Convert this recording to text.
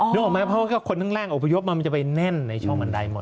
นึกออกไหมครับเพราะว่าคนแรกอพยพมันจะไปแน่นในช่องมันได้หมด